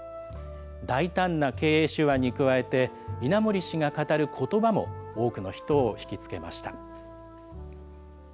大胆な経営手腕に加えて、稲森氏が語ることばも、多くの人を引き付けました。